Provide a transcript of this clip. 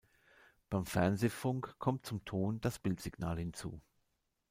Beim Fernsehfunk kommt zum Ton- das Bildsignal hinzu.